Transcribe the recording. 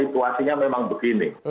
situasinya memang begini